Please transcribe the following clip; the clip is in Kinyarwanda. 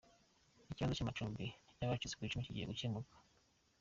Ikibazo cy’amacumbi y’abacitse ku icumu kigiye gukemuka